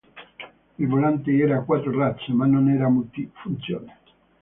Il volante era a quattro razze, ma non era multifunzione.